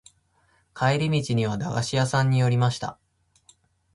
帰り道には駄菓子屋さんに寄りました。